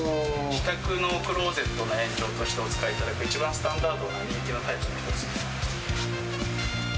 自宅のクローゼットの延長としてお使いいただく、一番スタンダードな人気のタイプです。